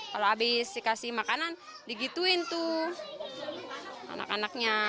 kalau habis dikasih makanan digituin tuh anak anaknya